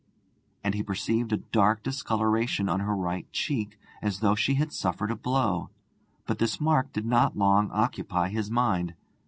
And he perceived a dark discoloration on her right cheek, as though she had suffered a blow, but this mark did not long occupy his mind.